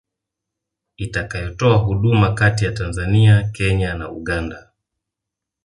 itakayotoa huduma kati ya Tanzania Kenya na Uganda